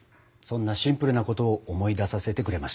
そんなシンプルなことを思い出させてくれました。